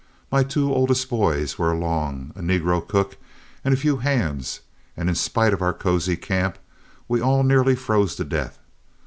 My two oldest boys were along, a negro cook, and a few hands, and in spite of our cosy camp, we all nearly froze to death.